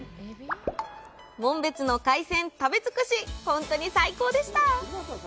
紋別の海鮮、食べ尽くしほんと最高でした！